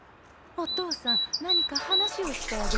お父さん何か話をしてあげたら？